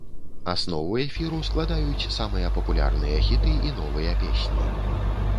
Аснову эфіру складаюць самыя папулярныя хіты і новыя песні.